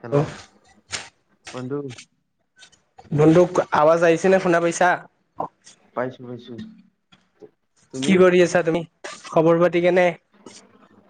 Hello. বন্ধ বন্তুক আৱাজ আহিছে নে খুন্দা পইছা পাইছো, পাইছো তুমি কি কৰি আছা তুমি? খবৰ পাতি কেনে?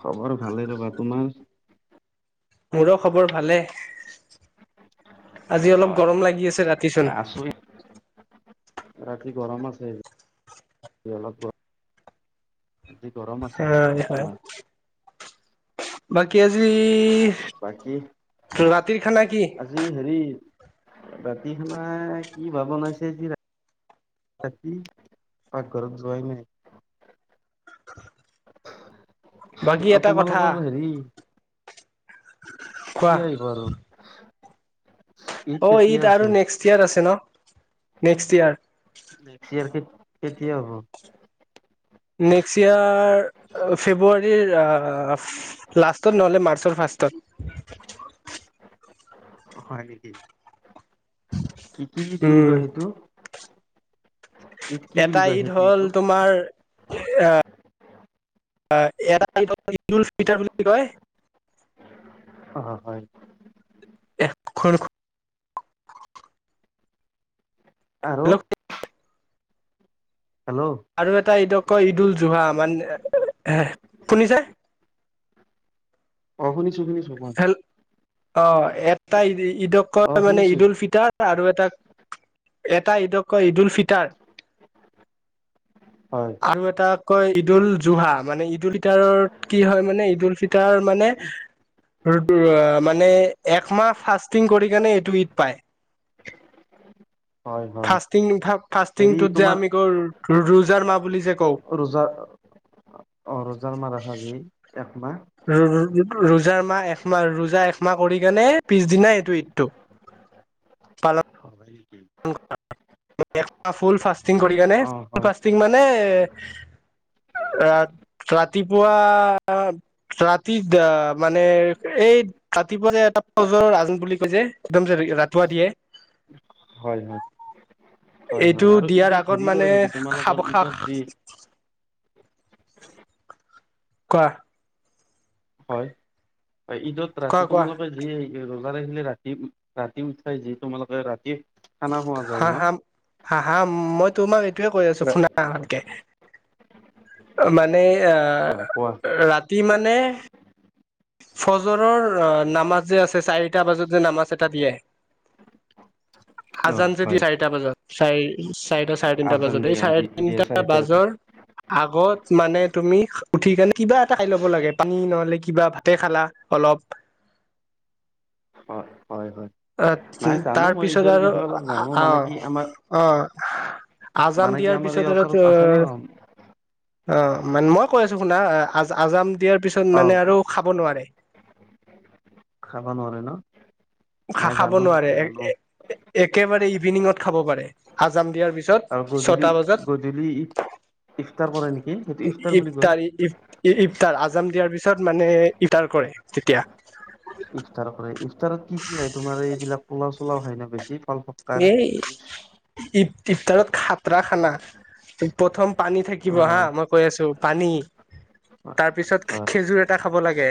খবৰ ভালে ৰ'বা, তোমাৰ? মোৰো খবৰ ভালে। আজি অ অলপ গৰম লাগি আছে ৰাতিচোন। আছো ৰাতি গৰম আছে, অলপ গৰ আজি গৰম আছে, হয় অকমাণ। বাক কি আজি, বাকী ৰাতিৰ খানা কি। আজি হেৰি ৰাতি খানা কি বা বনাইছে, যি ৰাতি- ৰাতি, পাকঘৰত যোৱাই নাই। বাকী আৰু এটা কথা তোমালোকৰ হেৰি কোৱা কেতিয়া আহিব আৰু। ঈদ অঁ, কেতিয়া ঈত আছে আৰু নেক্সট ইয়োৰ আছে ন। নেক্সট ইয়াৰ। [unintelligible] কেতিয়া হ'ব। নেক্সত ইয়াৰ আ ফেব্ৰুৱাৰীৰ আ অঁ লাষ্টত নহ'লে মাৰ্চৰ ফাৰ্ষ্টত। হয় নেকি। কি-কি ঈদ বুলি উম। কয় সেইটো। ঈদ কি বুলি এটা কয় ঈদ সেইটো হ'ল ঈদটো তোমাৰ আ এটা ঈদুলফিটৰ বুলি কয় অঁ হয়। [unintelligible] আৰু হেল্ল' হেল্ল' আৰু এটা ঈদক কয় ঈদ উল জুহা মানে হে শুনিছা। অঁ, শুনিছো শুনিছো [unintelligible] অঁ এ্তাইদি ঈদক ক অ মানে শুনিছো ঈদ উল ফিতাৰ আৰু এটা- এটা ঈদক কয় ঈদুল ফিতাৰ। হয় আৰু এটা কয় ঈদ উুল জুহা, মানে ঈদল ফিতাৰত কি হয় মানে ঈদ উুল ফিতাৰ মানে মানে একমাহ ফাষ্টিং কৰি কেনে এইটো ঈদ পায়। হয় হয় ফাষ্টিং হেৰি ফাষ্টিংটোত যে তোমাৰ আমি কওঁ ৰোজাৰ মাহ বুলি যে কওঁ ৰোজা [unintelligible] ৰ ৰোজাৰ একমাহ ৰোজা একমাহ কৰি কেনে পিছ দিনাই এইটো ঈদটো পালন [unintelligible] একমাহ ফুল ফাষ্ট কৰি আনে অ হয় ফাষ্টিং মানে ৰা ৰাতিপুৱা ৰাতি আহ মানে এই ৰাতিপুৱা যে এটাব জৰ আজান বুলি কৈ যে একদম যে ৰাতিপুৱা দিয়ে হয় হয় হয় এইটো হয় আৰু দিয়াৰ ঈদত আগত হেৰি কৰে মানে নেকি তোমালোকৰ খাব খা ঈদত যি কোৱা হয় ঈদত কোৱা ৰাতি কোৱা তোমালোকে যি হিলে ৰাতি, ৰাতি উঠাই যি তোমালোক ৰাতি খানা খোৱা যায় হা ন হা হা হা মই তোমাক সেইটোয়ে কৈ আছো শুনা ভালকে। মানে হয় কোৱা এ ৰা কি মানে ফজৰৰ নামাজ যে আছে চাৰিটা বজাত যে নামাজ এটা দিয়ে অ আজান যে হয় দিয়ে চাৰিতা বজাত চাইচ চাৰে তিনটা আজান বজাত এই দিয়ে অ চাৰে দিয়ে তিনিটা চাৰিটা বজাত বাজৰ আগত মানে তুমি উঠি কিনে কিবা এটা খাই ল'ব লাগে পানী নহলে কিবা ভ- খালা অলপ হয় হয় হয় অ নাই জানো তাৰ মই পিছত ঈদৰ আৰু বিষয়ে অলপ জানো মানে কি আমাৰ আহ অ আজাম মানে কি দিয়াৰ আমাৰ এই পিছত আৰু ওচৰত আছে ন অ মানে মই কৈ আছো শুনা আ আজাম দিয়াৰ তাৰ পিছত অ মানে আৰু খাব নোৱাৰে। খাব নোৱাৰে ন নাই খাব জানো নোৱাৰে সেইটো জানো একেবাৰে ঈদ এনিঙত খাব পাৰে আজাম দিয়াৰ আৰু পিছত গধূলি ছটা গধূলি বজাত ইফতাৰ কৰে নেকি সেইটো ইফতাৰ বুলি কয় ইফতাৰী ইফতাৰ আজ দিয়াৰ পিছত মানে ইফটাৰ কৰে তেতিয়া ত কি কি হয় তোমাৰ এইবিলাক পলা পোলাও খাই না বেছি [unintelligible] ইপতাৰত খাতৰা খানা প্ৰথম পানী থাকিব অ হা মই কৈ আছো পানী তাৰ পিছত হয় খেজুৰ এটা খাব লাগে,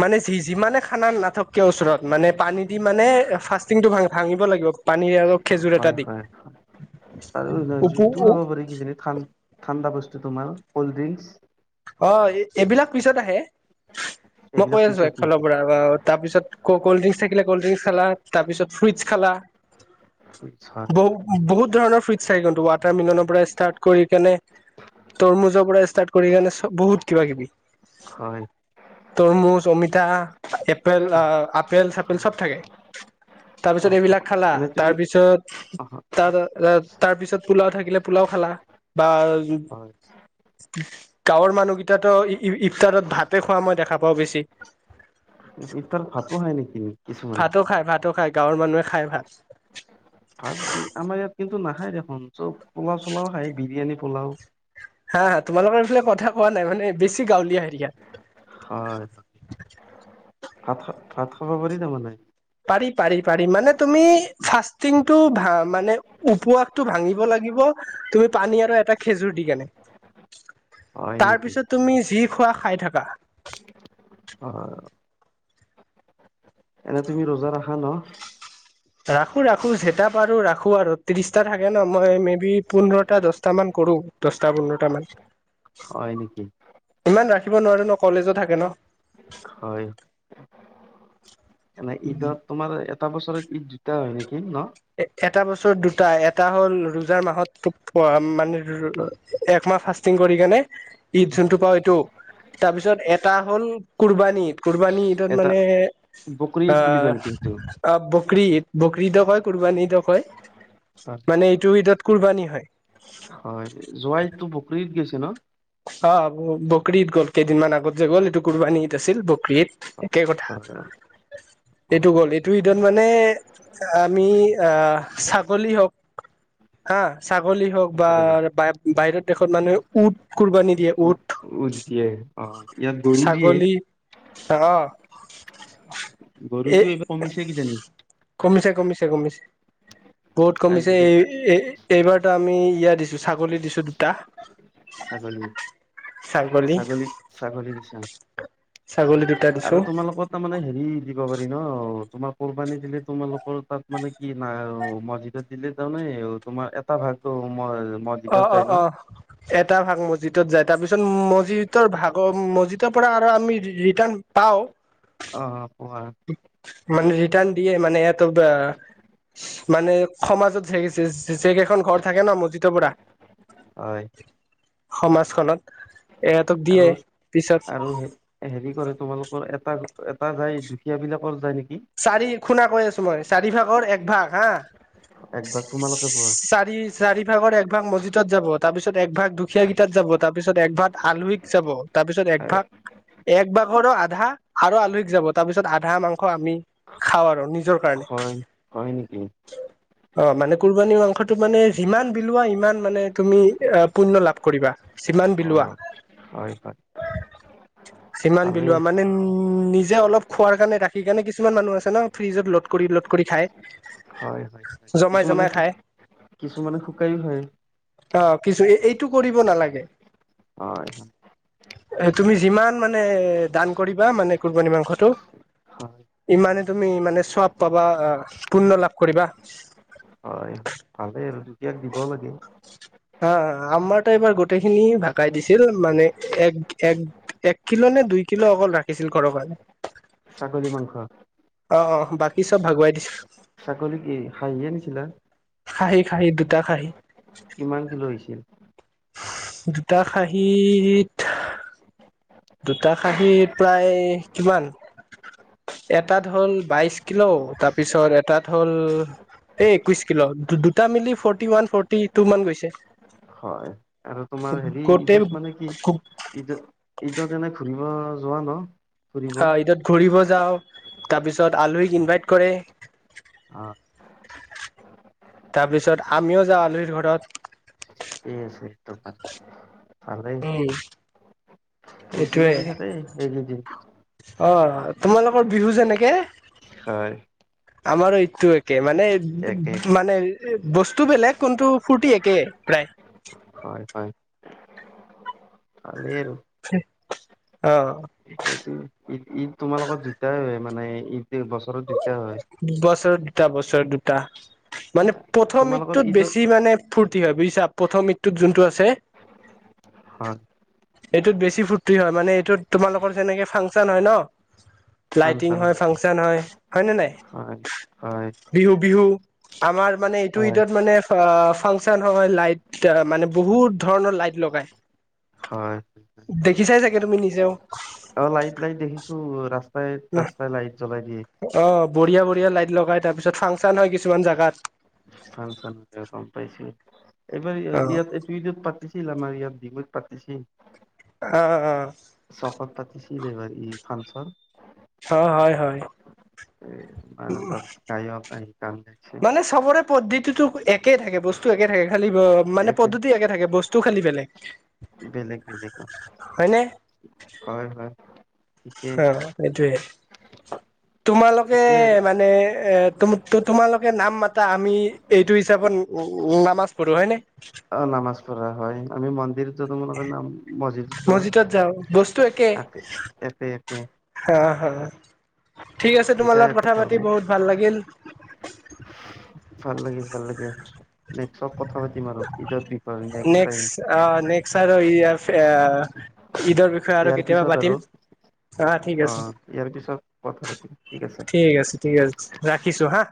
মানে যি যিমানে খানা নাথককে ওচৰত মানে পানী দি মানে ফাষ্টিংটো ভা ভাঙিব লাগিব পানী আৰু খেজুৰ এটা দি। উপু জুচটো খাব পাৰি কিজানি ঠাণ্ডা ঠাণ্ডা বস্তু। তোমাৰ ক'ল্ড ড্ৰিংকস। অ এইবিলাক পিছত আহে মই এইবিলাক কৈ আছো পিছত একফালৰ নেকি পৰা বা তাৰপিছত ক কল্ড ড্ৰিংক থাকে কল্ড ড্ৰিংকস খালা তাৰপিছত ফ্ৰুটছ খালা। হয় বহু বহুত ধৰণৰ ফ্ৰুইচ থাকে কিন্তু, ৱাটাৰ-মেলনৰ পৰা ষ্টাৰ্ট কৰি কেনে তৰমুজৰ পৰা ষ্টাৰ্ট কৰি কেনে বহুত কিবা-কিবি হয় হয়। তৰমুজ, অমিতা, এপেল আপেল চাপেল চব থাকে অ তাৰপিছত এইবিলাক খালা এনে তাৰ তুমি পিছত অ' তাৰ তাৰ পিছত পোলাও থাকিলে পোলাও খালা বা হয় গাঁৱৰ মানুহকেইটাতো ইফতাৰত ভাতে খোৱা মই দেখা পাওঁ বেছি। ইফতাৰত ভাতো খাই নেকি কিছুমানে ভাতৌ খাই ভাত খাই। গাঁৱৰ মানুহে খাই ভাত। ভাত আমাৰ ইয়াত কিন্তু নাখায় দেখোন চব পোলা চোলাও খাই বিৰিয়ানী। পোলাও হা হা তোমালোকৰ এইফালে কথা কোৱা নাই মানে বেছি গাঁৱলীয়া এৰিয়া। হয়। ভাত খ ভাত খাব পাৰি তাৰমানে পাৰি', পাৰি', পাৰি', মানে তুমি ফাষ্টিংটো ভা মানে উপুয়াটো ভাঙিব লাগিব তুমি পানী আৰু এটা খেজুৰ দি কেনে। হয় নেকি তাৰপিছত তুমি যি খোৱা খাই থকা হয় এনে তুমি ৰোজা ৰাখা ন? ৰাখো ৰাখো যেইটা পাৰো ৰাখো আৰু ত্ৰিশটা থাকে ন মই মে বি পোন্ধৰটা দচটা মান কৰো দছটা পোন্ধৰটা মান। হয় নেকি? থখিব নোৱাৰো ন কলেজো থাকে ন। হয়। মানে ঈদত তোমাৰ এটা বছৰত ঈদ দুটা হয় নেকি? দ ন? এ এটা বছৰ দুটা এটা হ'ল ৰোজাৰ মাহত মানে এক মাহ ফাষ্টিং কৰি কেনে ঈদ যোনটো হয় পাওঁ এইটো তাৰপিছত এটা হ'ল কুৰবানীদ কুৰবানী ঈদত এটা মানে বকৰি ঈদ বুলি কয় নেকি সেইটো? অ বকী ঈদ বকৰি ইদ, ব ইদো কয়। কুৰবানী ইদো কয় মানে এইটো এ তাত কুৰবানী হয়। হয় যোৱাইটো বকৰি ইদ গৈছে ন? অ বকীত গ'ল কেইদিনমান আগত যে গ'ল এইটো কুৰবানী দ আছিল বকৰি ইদ একে কথা। এইটো গ'ল এইটো ঈদত মানে আমি আহ ছাগলী হওক হা হলি হওক বা সঁচাকৈ বাহিৰত দেশত মানুহে উট কুৰবানী দিয়ে, উট। উট দিয়ে ইয়াত গৰু দিয়ে! অ'হ। গৰুটো এইবাৰ কমিছে কিজানি? কমিছে কমিছে। বহুত কমিছে। আজিকালি এই, এই এইবাৰতো আমি ইয়া দিছো। ছাগলী দিছো দুটা। ছাগলী, ছাগলী, ছাগলী দিচা ছাগলী দুটা দিছো আৰু তোমালোকত তাৰমানানে হেৰি দিব পাৰ ন তোমাৰ কোম্পানীত দিলে তোমালোকৰ তাত মানে কি নাই আৰু মছজিদত দিলে তাৰমানে তোমাৰ এটা ভাগটো মই অ', অ', অ', এট এটা ভাগ মছজিদত যায় তাৰপিছত মছজিদৰ ভাগৰ মছজিদ পৰা আৰু আমি ৰিটাৰ্ণ পাওঁ। অ পোৱা মানে ৰিটাৰ্ণ দিয়ে। মানে এহেঁতক আহ মানে সমাজতছে যেকেইখন ঘৰ থাকে ন মজজিদৰ পৰা। হয় সমাজখনত, এহেঁতক দিয়ে আৰু আৰু পিছত হেৰি কৰে তোমালোকৰ এটা এটা যায়। দুখীয়া বিলাকৰ যায় নেকি? চাৰি খুনা কৈ আছো। চাৰি ভাগৰ এক ভাগ হা একভাগ তোমালোকে পোৱা চাৰি চাৰিভাগৰ এক এক ভাগ মছজিদত যাব। তাৰপিছত এক ভাগ দুখীয়া কিটাত যাব। তাৰ পিছত এক ভাগ আলহীক যাব। তাৰ পিছত একভাগ এক ভাগৰো আধা আৰু আলহীক যাব তাৰপিছত আধা মাংস আমি খাও আৰু নিজৰ কাৰণে। এ হয় হয় নেকি অ' মানে কুৰবানী মাংসটো মানে যিমান বিলোৱা সিমান মানে তুমি আ পুণ্য লাভ কৰিবা! যিমান অ বিলোৱা, হয় হয় যিমান ভালেই বিলোৱা মানে, নিজে অলপ খোৱাৰ কাৰণে ৰাখি কাৰণে কিছু কিছুমান মানুহ আছে ন ফ্ৰিজত ল'ড কৰি ল'ড কৰি খাই! হয় হয় জমাই কিছুমানে, জমাই খাই কিছুমানে শুকায়ো খায়। আহ কিছু, এইটো কৰিব নালাগে। হয় এ তুমি যিমান মানে দান কৰিবা মানে, কুৰবনী মাংসটো হয় ইমানে তুমি মানে চব পাবা, পুণ্য লাভ কৰিবা! হয় ভালেই আৰু দুখীয়াক দিব লাগে। হ আমাৰতো এইবাৰ গোটেইখিনি ভাগাই দিছিল। মানে, এক - এক, এক কিলো নে দুই কি'লো অকল ৰাখিছিল ঘৰৰ কাৰণে। ছাগলী মাংস। অ' অ' বাকী চব ভাগুৱাই দিছো। ছাগলী কি, খাহীয়ে দিছিলা? খাহী-খাহী, দুটা খাহী। কিমান কিলো' হৈছিল? দুটা খাহীত দুটা খাহী প্ৰায় কিমান! এটাত হ'ল বাইশ কিলো। তাৰপিছত এটাত হ'ল এই একৈশ কিলো। দুটা মিলি ফৰ্টি ওৱান ফৰ্টি টু মান গৈছে। হয়। আৰু গোটেই [unintelligible] মানে কি ঈদত ঈদত। ঈদত এনে ঘূৰি! ব যোৱা ন? ফুৰিব অ' অ' ঈদত ঘূৰিব যাও। তাৰ পিছত আলহীক ইনভাইট কৰে। অ তাৰপিছত আমিও যাওঁ আলহীৰ ঠিকেই আছে তোমাৰ ঘৰত। ভালেই উম। ফূৰ্তি এইটোৱে লাগি থাকে এইকেইদিন। [unintelligible] অ তোমালোকৰ বিহু যেনেকে হয়। আমাৰ এইটো একে মানে একে মানে বস্তু বেলেগ কোনটো ফুৰ্তি একে প্ৰায়। হয় হয় ভালেই আৰু আহ। তোমাৰ লগত দুতাই হয় মানে ইদ। এক বছৰত দিগদাৰ হয়। বছৰত দুটা বছৰ দুটা মানে প্ৰথম তোমালোকৰ ঈদটোত ঈদত বেছি মানে ফূৰ্তি হয় বুজিছা প্ৰথম ঈদ যোনটো আছে হয় এইটোত বেছি ফূৰ্তি হয় মানে এইটোত তোমালোকৰ যেনেকে ফাংচন হয় ন। লাইটিং হয় ফাংচন হয়। হয় নাই হয় হয় বিহু বিহু আমাৰ মানে ইটো হয় ঈদত মানে ফাংচন হয় লাইট মানে বহুত ধৰণৰ লাইট লগাই হয়। দেখি চাই চাগে তুমি নিজেও অ লাইট লাইট দেখিছো ৰাস্ত [unintelligible] ৰাস্তাই লাইট জ্বলাই দিয়ে। অ বঢ়িয়া বঢ়িয়া লাইট লগাই তাৰপিছত ফাংচন হয় কিছুমান জাগাত। ফাংচন [unintelligible] গম পাইছো। এইবাৰ অ ইয়াত এইটো ঈদত পাতিছিল আমাৰ ইয়াত ডত [unintelligible] আহ আহ। কি লাগবাৰ ই ফাংচন। অ হয় হয়। ব আৰু তাত খাইব প মানে চবৰে পদ্ধতিতো একেই থাকে বস্তু ত একে থাক খালি মানে পদ্ধতি একে থাকে বস্তু খালি বেলেগ। বেলেগ বেলেগ হয়নে হয় হয় [inaudible] ঠিকে অ', সেইটোৱে। তোমালোকে ঠিকে আৰু। মানে, এ তুম তোমালোকে নাম মাতা আমি এইটো হিচাপত নামাজ পঢ়ো হয় নে। অ নামাজ প হয় আমি মন্দিৰ। তিয়া তোমালোক নাম মছজিদত যোৱা। টো একে এপে এপে অ', হা হা। ঠিক আছে তোমাৰ লগত একে কথা পাতি ধৰ্ম বহুত ভাল লাগিল ভাল লাগে ভাল লাগে নে নেক্স অ নেক্সট আৰু আৰু ইয় [inaudible] ঈদৰ বিষয়ে আৰু ইয়াৰ কেতিয়াবা পিছত আৰু পাতিম অ ঠিক আছে ইয়াৰ পিছত কথা পাতিম আছে ঠিক আছে ঠিক আছে ৰাখিছো হা